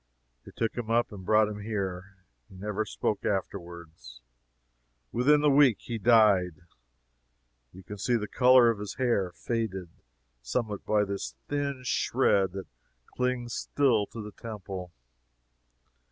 They took him up and brought him here. He never spoke afterward. Within the week he died. You can see the color of his hair faded, somewhat by this thin shred that clings still to the temple.